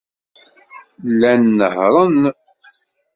Llan nehhṛen.